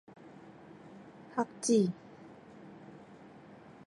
核子